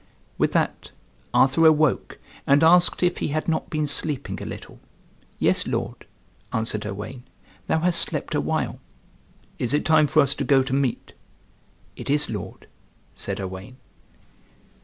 With that Arthur awoke, and asked if he had not been sleeping a little. "Yes, lord," answered Owain, "thou hast slept awhile." "Is it time for us to go to meat?" "It is, lord," said Owain.